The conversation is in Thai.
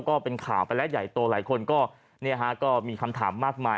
ก็เป็นข่าวไปแล้วใหญ่โตหลายคนก็มีคำถามมากมาย